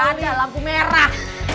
enggak ada lampu merah